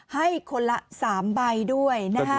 ให้คนละ๓ใบด้วยนะฮะ